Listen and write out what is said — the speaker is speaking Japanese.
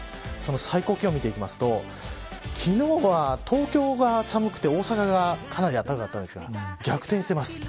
最高気温を見ると昨日は東京が寒くて大阪がかなりあったかかったんですが逆転しています。